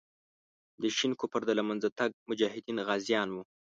د شین کفر د له منځه تګ مجاهدین غازیان وو.